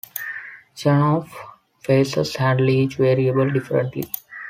Chernoff faces handle each variable differently.